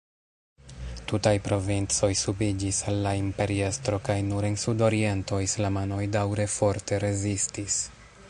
Tutaj provincoj subiĝis al la imperiestro kaj nur en sud-oriento islamanoj daŭre forte rezistis.